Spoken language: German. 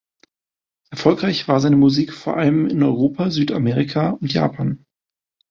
Erfolgreich war seine Musik vor allem in Europa, Südamerika und Japan.